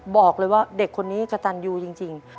บอกเลยว่าเด็กคนนี้กระตันยูจริง